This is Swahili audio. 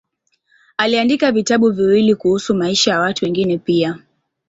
Aliandika vitabu viwili kuhusu maisha ya watu wengine pia.